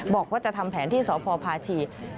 บอกว่าจะทำแผนที่สพพาชี